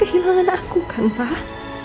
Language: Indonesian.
apa yang kamu gunakan pak